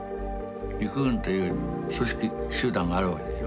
陸軍という組織集団があるわけでしょ。